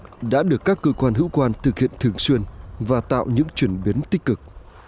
các hệ thống hành động đã được các cơ quan hữu quan thực hiện thường xuyên và tạo những chuyển biến tích cực